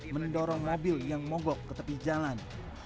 mendorong nabil yang mogok ke tepi jalan